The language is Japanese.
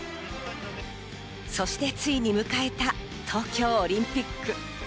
そしてついに迎えた東京オリンピック。